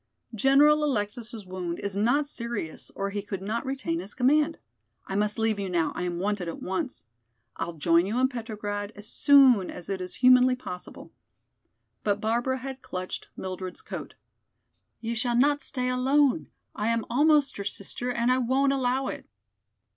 General Alexis' wound is not serious or he could not retain his command. I must leave you now; I am wanted at once. I'll join you in Petrograd as soon as it is humanly possible." But Barbara had clutched Mildred's coat. "You shall not stay alone. I am almost your sister and I won't allow it."